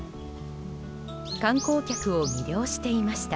観光客を魅了していました。